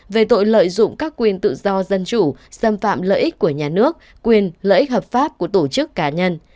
về tội lợi dụng các quyền tự do dân chủ xâm phạm lợi ích của nhà nước quyền lợi ích hợp pháp của tổ chức cá nhân